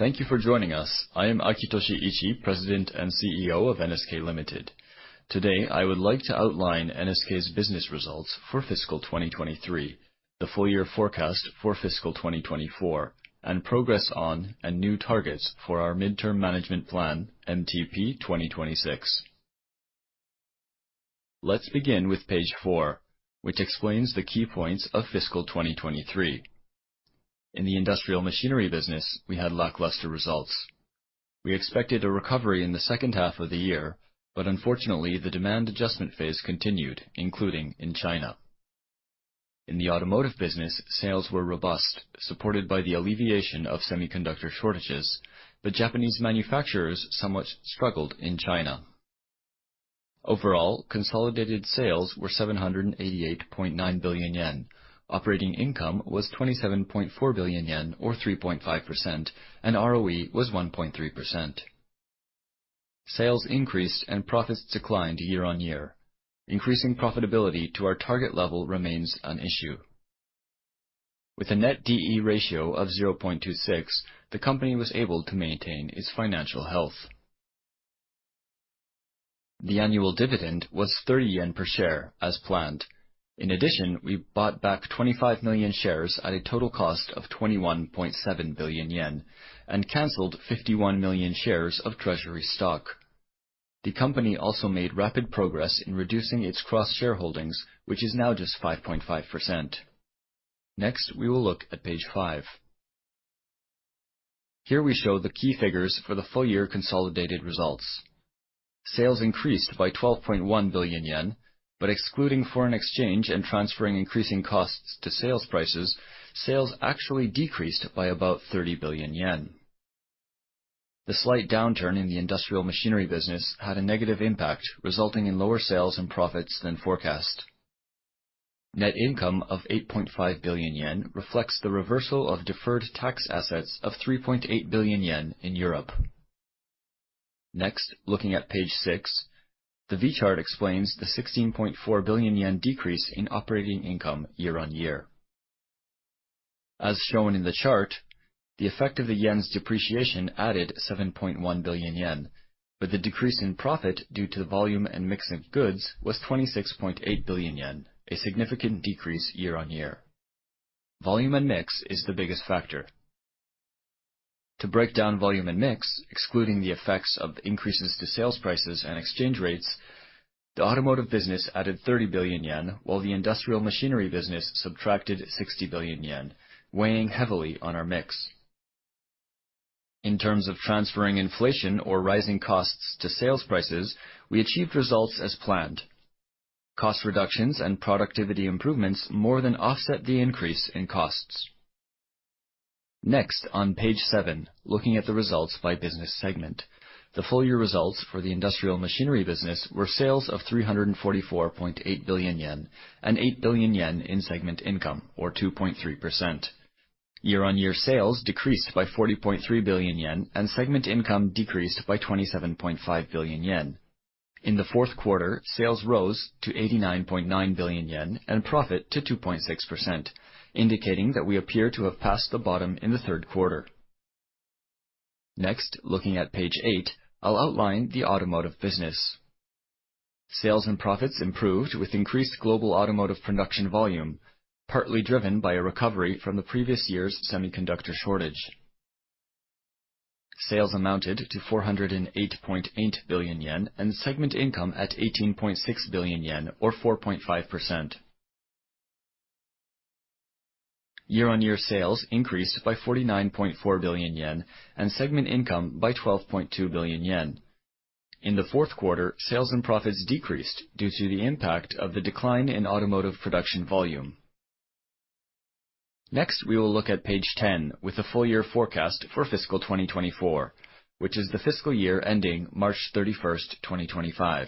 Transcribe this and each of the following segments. Thank you for joining us. I am Akitoshi Ichii, President and CEO of NSK Ltd. Today, I would like to outline NSK's business results for fiscal 2023, the full year forecast for fiscal 2024, and progress on and new targets for our midterm management plan, MTP2026. Let's begin with page four, which explains the key points of fiscal 2023. In the industrial machinery business, we had lackluster results. We expected a recovery in the second half of the year, but unfortunately, the demand adjustment phase continued, including in China. In the automotive business, sales were robust, supported by the alleviation of semiconductor shortages, but Japanese manufacturers somewhat struggled in China. Overall, consolidated sales were 788.9 billion yen. Operating income was 27.4 billion yen, or 3.5%, and ROE was 1.3%. Sales increased and profits declined year-on-year. Increasing profitability to our target level remains an issue. With a Net D/E ratio of 0.26, the company was able to maintain its financial health. The annual dividend was 30 yen per share, as planned. In addition, we bought back 25 million shares at a total cost of 21.7 billion yen and canceled 51 million shares of treasury stock. The company also made rapid progress in reducing its cross-shareholdings, which is now just 5.5%. Next, we will look at page five. Here we show the key figures for the full year consolidated results. Sales increased by 12.1 billion yen, but excluding foreign exchange and transferring increasing costs to sales prices, sales actually decreased by about 30 billion yen. The slight downturn in the industrial machinery business had a negative impact, resulting in lower sales and profits than forecast. Net income of 8.5 billion yen reflects the reversal of deferred tax assets of 3.8 billion yen in Europe. Next, looking at page six, the V chart explains the 16.4 billion yen decrease in operating income year-on-year. As shown in the chart, the effect of the yen's depreciation added 7.1 billion yen, but the decrease in profit due to the volume and mix of goods was 26.8 billion yen, a significant decrease year-on-year. Volume and mix is the biggest factor. To break down volume and mix, excluding the effects of increases to sales prices and exchange rates, the automotive business added 30 billion yen, while the industrial machinery business subtracted 60 billion yen, weighing heavily on our mix. In terms of transferring inflation or rising costs to sales prices, we achieved results as planned. Cost reductions and productivity improvements more than offset the increase in costs. Next, on page seven, looking at the results by business segment, the full year results for the industrial machinery business were sales of 344.8 billion yen, and 8 billion yen in segment income, or 2.3%. Year-on-year sales decreased by 40.3 billion yen, and segment income decreased by 27.5 billion yen. In the fourth quarter, sales rose to 89.9 billion yen and profit to 2.6%, indicating that we appear to have passed the bottom in the third quarter. Next, looking at page eight, I'll outline the automotive business. Sales and profits improved with increased global automotive production volume, partly driven by a recovery from the previous year's semiconductor shortage. Sales amounted to 408.8 billion yen, and segment income at 18.6 billion yen, or 4.5%. Year-on-year sales increased by 49.4 billion yen, and segment income by 12.2 billion yen. In the fourth quarter, sales and profits decreased due to the impact of the decline in automotive production volume. Next, we will look at page 10 with the full year forecast for fiscal 2024, which is the fiscal year ending March 31, 2025.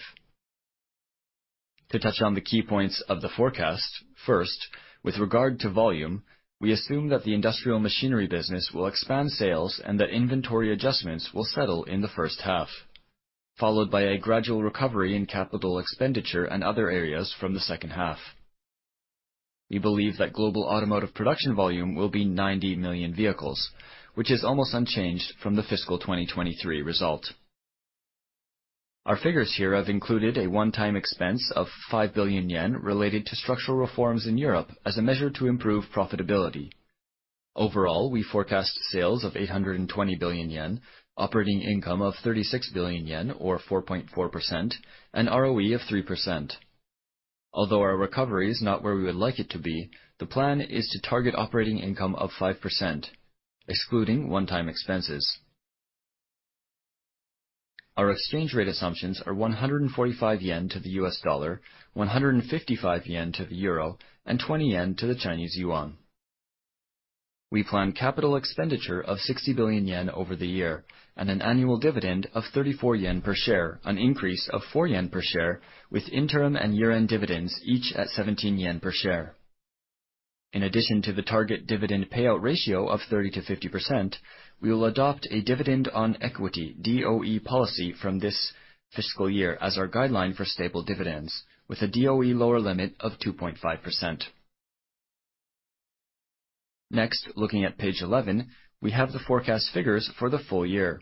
To touch on the key points of the forecast, first, with regard to volume, we assume that the industrial machinery business will expand sales and that inventory adjustments will settle in the first half, followed by a gradual recovery in capital expenditure and other areas from the second half. We believe that global automotive production volume will be 90 million vehicles, which is almost unchanged from the fiscal 2023 result. Our figures here have included a one-time expense of 5 billion yen related to structural reforms in Europe as a measure to improve profitability. Overall, we forecast sales of 820 billion yen, operating income of 36 billion yen, or 4.4%, and ROE of 3%. Although our recovery is not where we would like it to be, the plan is to target operating income of 5%, excluding one-time expenses. Our exchange rate assumptions are 145 yen to the US dollar, 155 yen to the euro, and 20 yen to the Chinese yuan. We plan capital expenditure of 60 billion yen over the year and an annual dividend of 34 yen per share, an increase of 4 yen per share, with interim and year-end dividends, each at 17 yen per share. In addition to the target dividend payout ratio of 30%-50%, we will adopt a dividend on equity, DOE policy from this fiscal year as our guideline for stable dividends, with a DOE lower limit of 2.5%.... Next, looking at page 11, we have the forecast figures for the full year.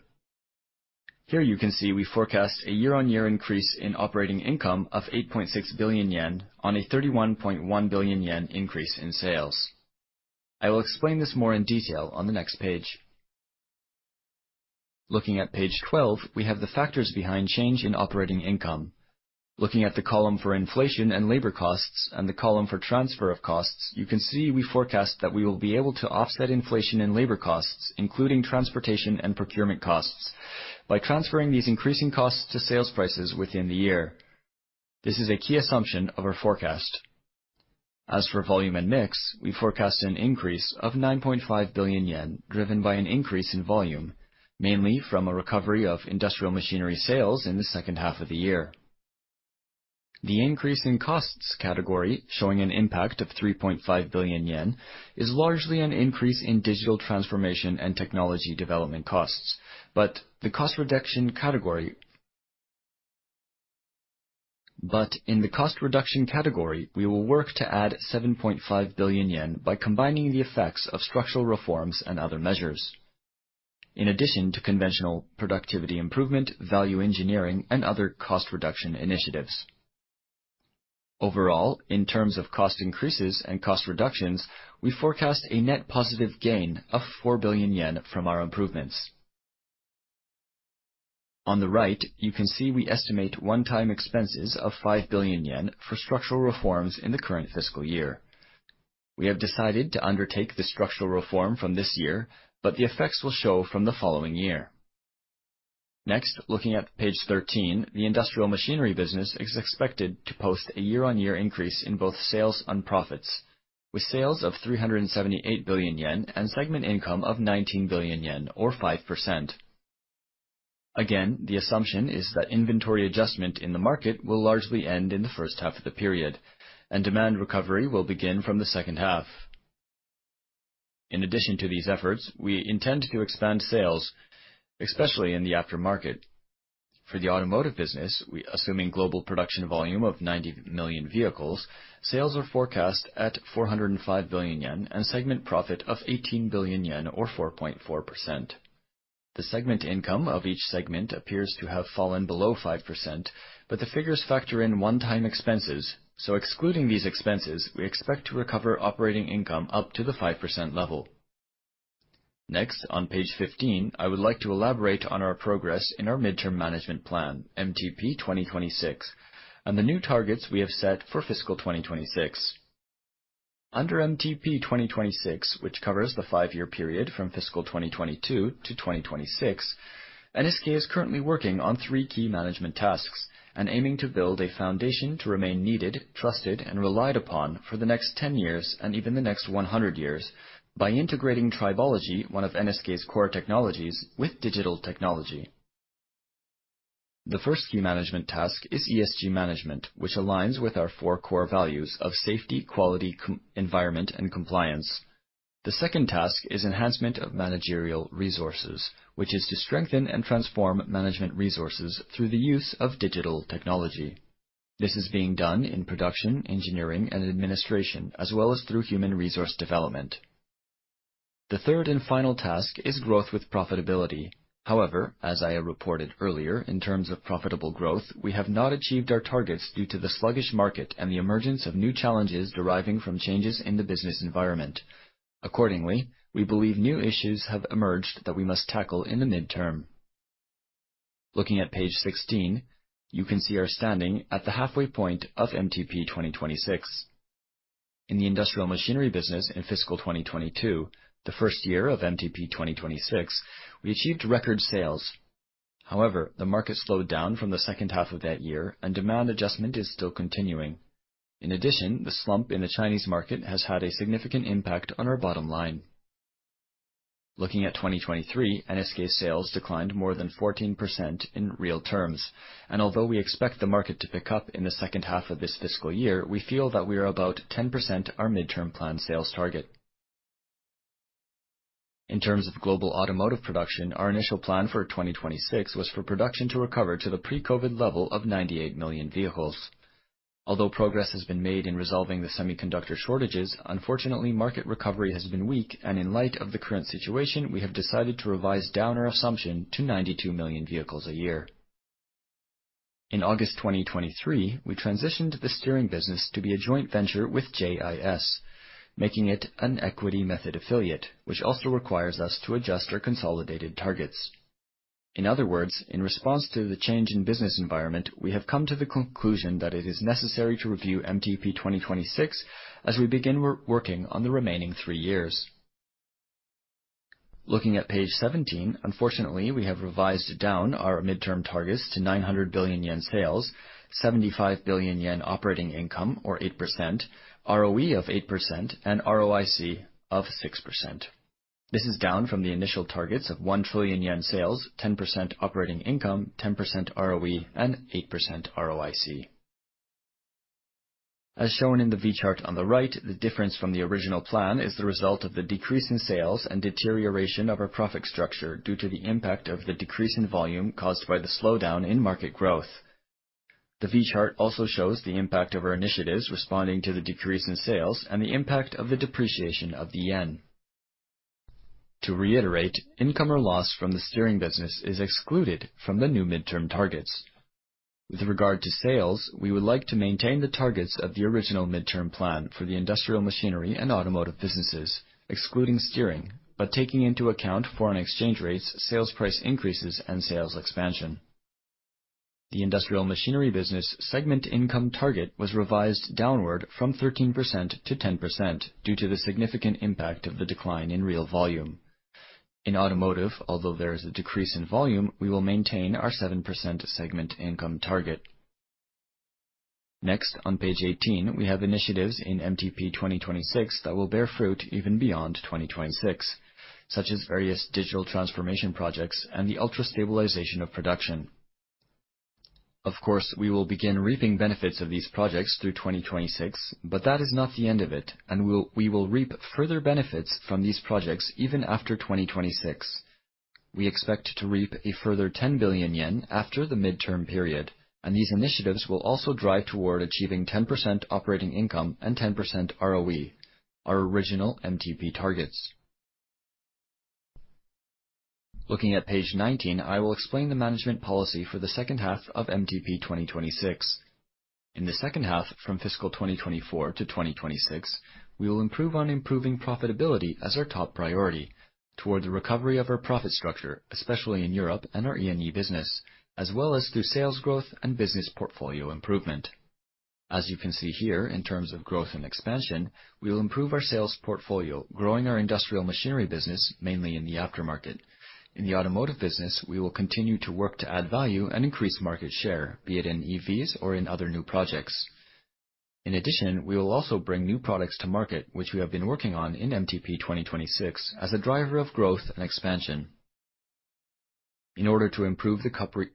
Here you can see we forecast a year-on-year increase in operating income of 8.6 billion yen on a 31.1 billion yen increase in sales. I will explain this more in detail on the next page. Looking at page 12, we have the factors behind change in operating income. Looking at the column for inflation and labor costs and the column for transfer of costs, you can see we forecast that we will be able to offset inflation and labor costs, including transportation and procurement costs, by transferring these increasing costs to sales prices within the year. This is a key assumption of our forecast. As for volume and mix, we forecast an increase of 9.5 billion yen, driven by an increase in volume, mainly from a recovery of industrial machinery sales in the second half of the year. The increase in costs category, showing an impact of 3.5 billion yen, is largely an increase in digital transformation and technology development costs. But in the cost reduction category, we will work to add 7.5 billion yen by combining the effects of structural reforms and other measures, in addition to conventional productivity improvement, value engineering, and other cost reduction initiatives. Overall, in terms of cost increases and cost reductions, we forecast a net positive gain of 4 billion yen from our improvements. On the right, you can see we estimate one-time expenses of 5 billion yen for structural reforms in the current fiscal year. We have decided to undertake the structural reform from this year, but the effects will show from the following year. Next, looking at page thirteen, the industrial machinery business is expected to post a year-on-year increase in both sales and profits, with sales of 378 billion yen and segment income of 19 billion yen, or 5%. Again, the assumption is that inventory adjustment in the market will largely end in the first half of the period, and demand recovery will begin from the second half. In addition to these efforts, we intend to expand sales, especially in the aftermarket. For the automotive business, we assuming global production volume of 90 million vehicles, sales are forecast at 405 billion yen and segment profit of 18 billion yen, or 4.4%. The segment income of each segment appears to have fallen below 5%, but the figures factor in one-time expenses, so excluding these expenses, we expect to recover operating income up to the 5% level. Next, on page 15, I would like to elaborate on our progress in our midterm management plan, MTP2026, and the new targets we have set for fiscal 2026. Under MTP2026, which covers the five-year period from fiscal 2022 to 2026, NSK is currently working on three key management tasks and aiming to build a foundation to remain needed, trusted, and relied upon for the next 10 years and even the next 100 years by integrating tribology, one of NSK's core technologies, with digital technology. The first key management task is ESG management, which aligns with our four core values of safety, quality, community, environment, and compliance. The second task is enhancement of managerial resources, which is to strengthen and transform management resources through the use of digital technology. This is being done in production, engineering, and administration, as well as through human resource development. The third and final task is growth with profitability. However, as I have reported earlier, in terms of profitable growth, we have not achieved our targets due to the sluggish market and the emergence of new challenges deriving from changes in the business environment. Accordingly, we believe new issues have emerged that we must tackle in the midterm. Looking at page 16, you can see our standing at the halfway point of MTP2026. In the industrial machinery business in fiscal 2022, the first year of MTP2026, we achieved record sales. However, the market slowed down from the second half of that year, and demand adjustment is still continuing. In addition, the slump in the Chinese market has had a significant impact on our bottom line. Looking at 2023, NSK's sales declined more than 14% in real terms, and although we expect the market to pick up in the second half of this fiscal year, we feel that we are about 10% our midterm plan sales target. In terms of global automotive production, our initial plan for 2026 was for production to recover to the pre-COVID level of 98 million vehicles. Although progress has been made in resolving the semiconductor shortages, unfortunately, market recovery has been weak, and in light of the current situation, we have decided to revise down our assumption to 92 million vehicles a year. In August 2023, we transitioned the steering business to be a joint venture with JIS, making it an equity method affiliate, which also requires us to adjust our consolidated targets. In other words, in response to the change in business environment, we have come to the conclusion that it is necessary to review MTP2026 as we begin working on the remaining three years. Looking at page 17, unfortunately, we have revised down our midterm targets to 900 billion yen sales, 75 billion yen operating income, or 8%, ROE of 8%, and ROIC of 6%. This is down from the initial targets of 1 trillion yen sales, 10% operating income, 10% ROE, and 8% ROIC. As shown in the V chart on the right, the difference from the original plan is the result of the decrease in sales and deterioration of our profit structure due to the impact of the decrease in volume caused by the slowdown in market growth. The V chart also shows the impact of our initiatives responding to the decrease in sales and the impact of the depreciation of the yen. To reiterate, income or loss from the steering business is excluded from the new midterm targets. With regard to sales, we would like to maintain the targets of the original midterm plan for the industrial machinery and automotive businesses, excluding steering, but taking into account foreign exchange rates, sales price increases, and sales expansion. The industrial machinery business segment income target was revised downward from 13%-10% due to the significant impact of the decline in real volume. In automotive, although there is a decrease in volume, we will maintain our 7% segment income target. Next, on page 18, we have initiatives in MTP2026 that will bear fruit even beyond 2026, such as various digital transformation projects and the ultra-stabilization of production. Of course, we will begin reaping benefits of these projects through 2026, but that is not the end of it, and we will reap further benefits from these projects even after 2026. We expect to reap a further 10 billion yen after the midterm period, and these initiatives will also drive toward achieving 10% operating income and 10% ROE, our original MTP targets. Looking at page 19, I will explain the management policy for the second half of MTP 2026. In the second half, from fiscal 2024 to 2026, we will improve on improving profitability as our top priority toward the recovery of our profit structure, especially in Europe and our E&E business, as well as through sales growth and business portfolio improvement. As you can see here, in terms of growth and expansion, we will improve our sales portfolio, growing our industrial machinery business, mainly in the aftermarket. In the automotive business, we will continue to work to add value and increase market share, be it in EVs or in other new projects. In addition, we will also bring new products to market, which we have been working on in MTP2026 as a driver of growth and expansion. In order to improve the company...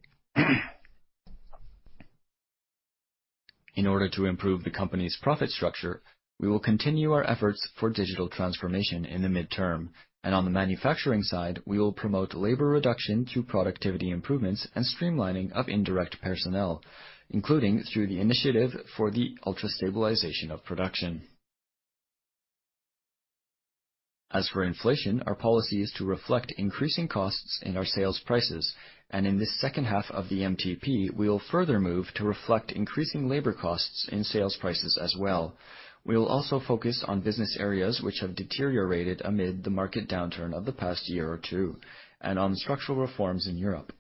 In order to improve the company's profit structure, we will continue our efforts for digital transformation in the midterm, and on the manufacturing side, we will promote labor reduction through productivity improvements and streamlining of indirect personnel, including through the initiative for the Ultra-stabilization of production. As for inflation, our policy is to reflect increasing costs in our sales prices, and in this second half of the MTP, we will further move to reflect increasing labor costs in sales prices as well. We will also focus on business areas which have deteriorated amid the market downturn of the past year or two, and on structural reforms in Europe.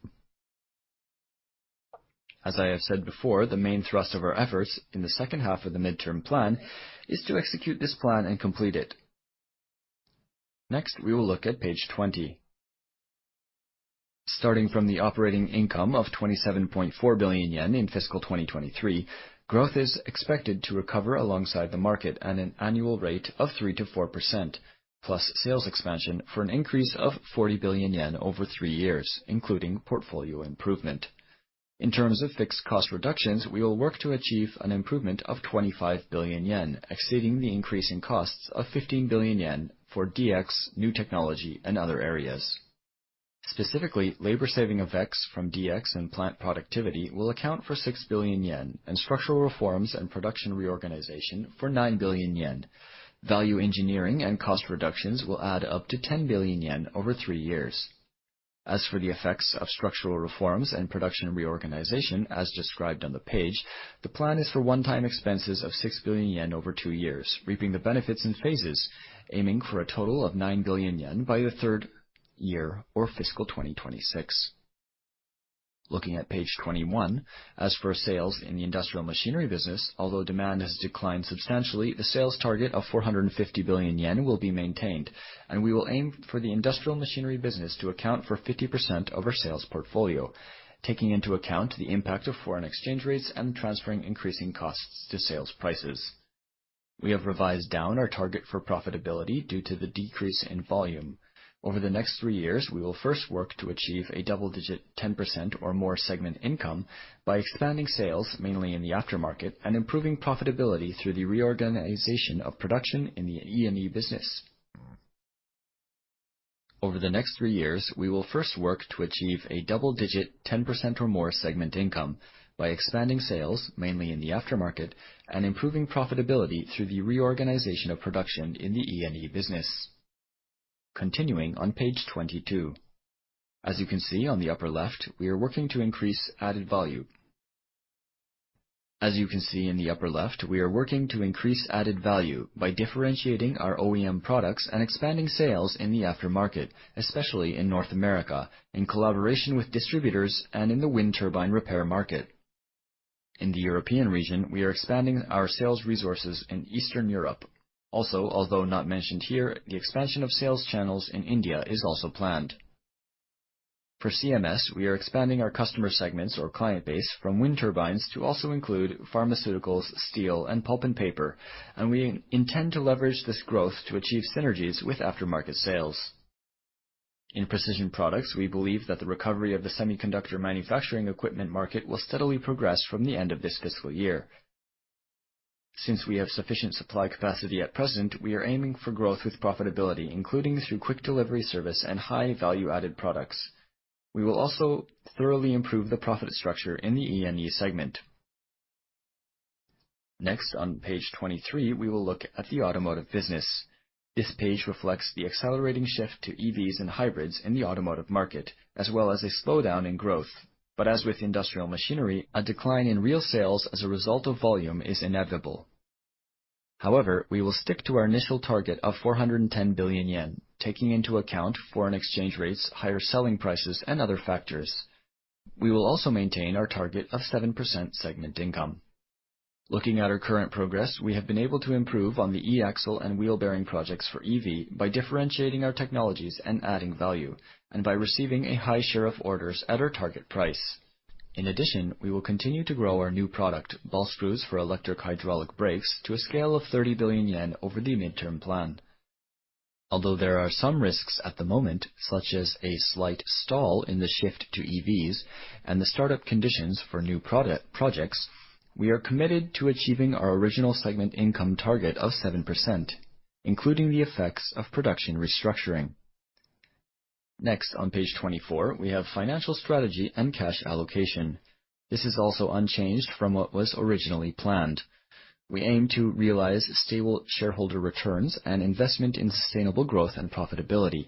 As I have said before, the main thrust of our efforts in the second half of the midterm plan is to execute this plan and complete it. Next, we will look at page 20. Starting from the operating income of 27.4 billion yen in fiscal 2023, growth is expected to recover alongside the market at an annual rate of 3%-4%, plus sales expansion for an increase of 40 billion yen over three years, including portfolio improvement. In terms of fixed cost reductions, we will work to achieve an improvement of 25 billion yen, exceeding the increasing costs of 15 billion yen for DX, new technology, and other areas. Specifically, labor-saving effects from DX and plant productivity will account for 6 billion yen and structural reforms and production reorganization for 9 billion yen. Value engineering and cost reductions will add up to 10 billion yen over three years. As for the effects of structural reforms and production reorganization, as described on the page, the plan is for one-time expenses of 6 billion yen over two years, reaping the benefits in phases, aiming for a total of 9 billion yen by the third year or fiscal 2026. Looking at page 21, as for sales in the industrial machinery business, although demand has declined substantially, the sales target of 450 billion yen will be maintained, and we will aim for the industrial machinery business to account for 50% of our sales portfolio, taking into account the impact of foreign exchange rates and transferring increasing costs to sales prices. We have revised down our target for profitability due to the decrease in volume. Over the next three years, we will first work to achieve a double-digit 10% or more segment income by expanding sales, mainly in the aftermarket, and improving profitability through the reorganization of production in the E&E business. Over the next three years, we will first work to achieve a double-digit 10% or more segment income by expanding sales, mainly in the aftermarket, and improving profitability through the reorganization of production in the E&E business. Continuing on page 22. As you can see on the upper left, we are working to increase added value. As you can see in the upper left, we are working to increase added value by differentiating our OEM products and expanding sales in the aftermarket, especially in North America, in collaboration with distributors and in the wind turbine repair market. In the European region, we are expanding our sales resources in Eastern Europe. Also, although not mentioned here, the expansion of sales channels in India is also planned. For CMS, we are expanding our customer segments or client base from wind turbines to also include pharmaceuticals, steel, and pulp and paper, and we intend to leverage this growth to achieve synergies with aftermarket sales. In precision products, we believe that the recovery of the semiconductor manufacturing equipment market will steadily progress from the end of this fiscal year. Since we have sufficient supply capacity at present, we are aiming for growth with profitability, including through quick delivery service and high value-added products. We will also thoroughly improve the profit structure in the E&E segment. Next, on page 23, we will look at the automotive business. This page reflects the accelerating shift to EVs and hybrids in the automotive market, as well as a slowdown in growth. But as with industrial machinery, a decline in real sales as a result of volume is inevitable. However, we will stick to our initial target of 410 billion yen, taking into account foreign exchange rates, higher selling prices, and other factors. We will also maintain our target of 7% segment income. Looking at our current progress, we have been able to improve on the E-axle and wheel bearing projects for EV by differentiating our technologies and adding value, and by receiving a high share of orders at our target price. In addition, we will continue to grow our new product, ball screws for electric hydraulic brakes, to a scale of 30 billion yen over the midterm plan. Although there are some risks at the moment, such as a slight stall in the shift to EVs and the startup conditions for new projects, we are committed to achieving our original segment income target of 7%, including the effects of production restructuring. Next, on page 24, we have financial strategy and cash allocation. This is also unchanged from what was originally planned. We aim to realize stable shareholder returns and investment in sustainable growth and profitability.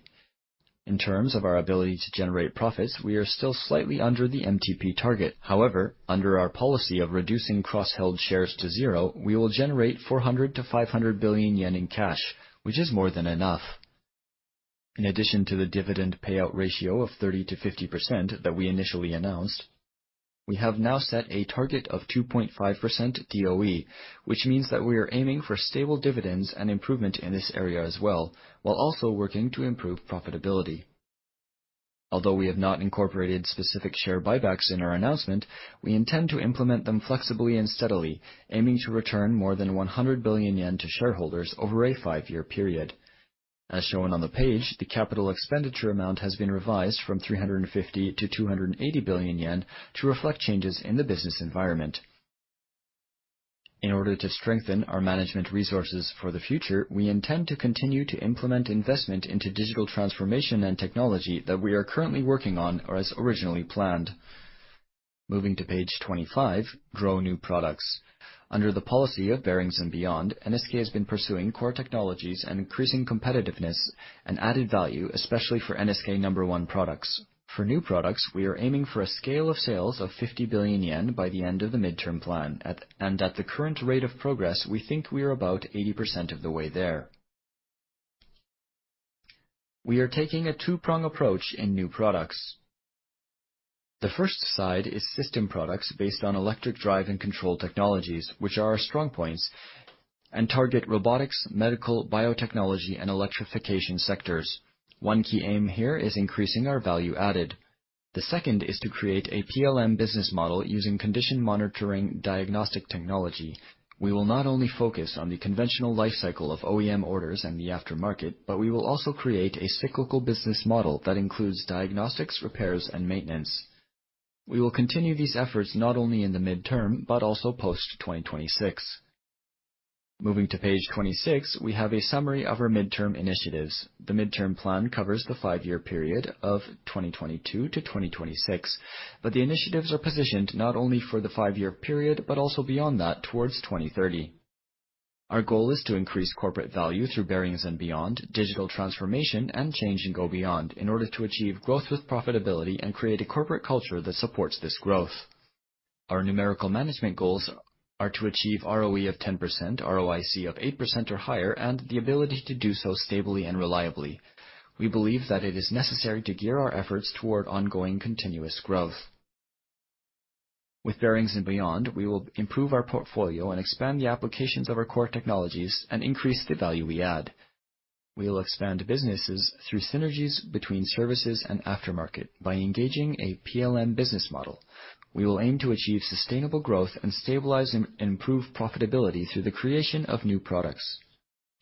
In terms of our ability to generate profits, we are still slightly under the MTP target. However, under our policy of reducing cross-held shares to zero, we will generate 400 billion-500 billion yen in cash, which is more than enough. In addition to the dividend payout ratio of 30%-50% that we initially announced, we have now set a target of 2.5% DOE, which means that we are aiming for stable dividends and improvement in this area as well, while also working to improve profitability. Although we have not incorporated specific share buybacks in our announcement, we intend to implement them flexibly and steadily, aiming to return more than 100 billion yen to shareholders over a 5-year period. As shown on the page, the capital expenditure amount has been revised from 350 billion to 280 billion yen to reflect changes in the business environment. In order to strengthen our management resources for the future, we intend to continue to implement investment into digital transformation and technology that we are currently working on or as originally planned. Moving to page 25, grow new products. Under the policy of Bearings & Beyond, NSK has been pursuing core technologies and increasing competitiveness and added value, especially for NSK number one products. For new products, we are aiming for a scale of sales of 50 billion yen by the end of the midterm plan. And at the current rate of progress, we think we are about 80% of the way there. We are taking a two-prong approach in new products. The first side is system products based on electric drive and control technologies, which are our strong points, and target robotics, medical, biotechnology, and electrification sectors. One key aim here is increasing our value added. The second is to create a PLM business model using condition monitoring diagnostic technology. We will not only focus on the conventional life cycle of OEM orders and the aftermarket, but we will also create a cyclical business model that includes diagnostics, repairs, and maintenance. We will continue these efforts not only in the midterm, but also post-2026. Moving to page 26, we have a summary of our midterm initiatives. The midterm plan covers the five-year period of 2022-2026, but the initiatives are positioned not only for the five-year period, but also beyond that, towards 2030. Our goal is to increase corporate value through Bearings & Beyond, Digital Transformation, and Change & Go Beyond in order to achieve growth with profitability and create a corporate culture that supports this growth. Our numerical management goals are to achieve ROE of 10%, ROIC of 8% or higher, and the ability to do so stably and reliably. We believe that it is necessary to gear our efforts toward ongoing continuous growth. With Bearings & Beyond, we will improve our portfolio and expand the applications of our core technologies and increase the value we add. We will expand businesses through synergies between services and aftermarket by engaging a PLM business model. We will aim to achieve sustainable growth and stabilize and improve profitability through the creation of new products.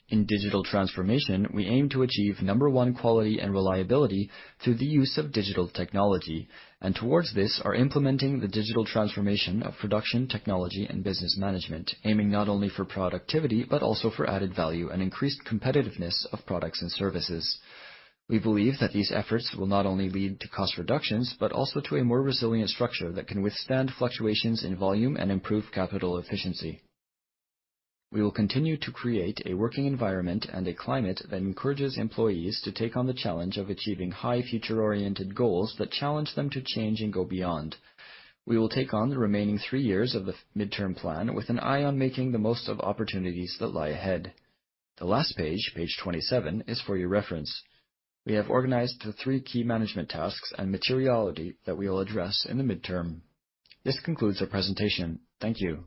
In digital transformation, we aim to achieve number one quality and reliability through the use of digital technology, and towards this, are implementing the digital transformation of production, technology, and business management, aiming not only for productivity, but also for added value and increased competitiveness of products and services. We believe that these efforts will not only lead to cost reductions, but also to a more resilient structure that can withstand fluctuations in volume and improve capital efficiency. We will continue to create a working environment and a climate that encourages employees to take on the challenge of achieving high future-oriented goals that challenge them to change and go beyond. We will take on the remaining three years of the midterm plan with an eye on making the most of opportunities that lie ahead. The last page, page 27, is for your reference. We have organized the three key management tasks and materiality that we will address in the midterm. This concludes our presentation. Thank you.